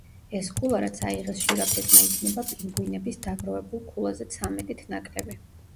ეს ქულა რაც აიღეს ჟირაფებმა იქნება პინგვინების დაგროვებულ ქულაზე ცამეტით ნაკლები.